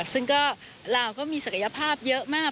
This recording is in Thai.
ซึ่งก็ลาวก็มีศักยภาพเยอะมาก